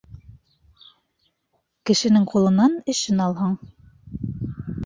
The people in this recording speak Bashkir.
Кешенең ҡулынан эшен алһаң